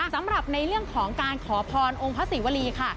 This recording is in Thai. สำหรับในเรื่องของการขอพรองค์พระศรีวรีค่ะ